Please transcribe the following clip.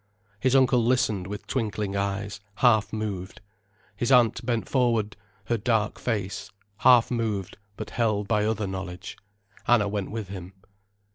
His uncle listened with twinkling eyes, half moved. His aunt bent forward her dark face, half moved, but held by other knowledge. Anna went with him.